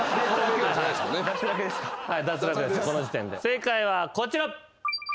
正解はこちら。